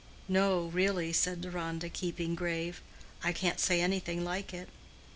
"No, really," said Deronda, keeping grave; "I can't say anything like it."